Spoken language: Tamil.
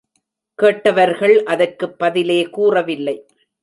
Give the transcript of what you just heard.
கேட்டவர்கள் அதற்குப் பதிலே கூறவில்லை.